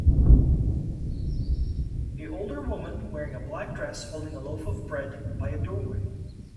A older woman wearing a black dress holding a loaf of bread by a doorway.